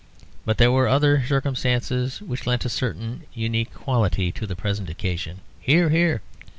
But there were other circumstances which lent a certain unique quality to the present occasion (hear, hear).